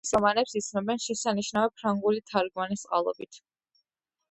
მის რომანებს იცნობენ შესანიშნავი ფრანგული თარგმანის წყალობით.